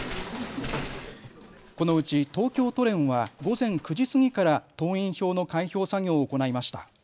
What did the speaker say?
このうち東京都連は午前９時過ぎから党員票の開票作業を行いました。